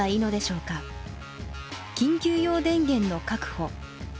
緊急用電源の確保。